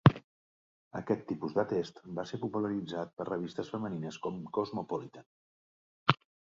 Aquest tipus de "test" va ser popularitzat per revistes femenines com "Cosmopolitan".